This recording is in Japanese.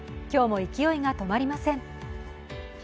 今日も勢いが止まりません。